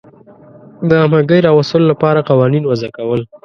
د همغږۍ راوستلو لپاره قوانین وضع کول.